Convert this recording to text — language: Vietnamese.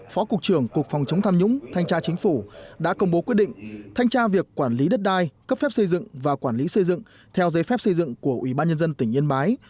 phó cục trưởng cục phòng chống tham nhũng thanh tra chính phủ đã công bố quyết định thanh tra việc quản lý đất đai cấp phép xây dựng và quản lý xây dựng theo giấy phép xây dựng của ủy ban nhân dân tỉnh yên bái